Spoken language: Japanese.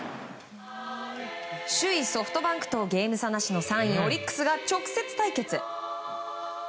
首位ソフトバンクとゲーム差なしの３位オリックスが直接対決。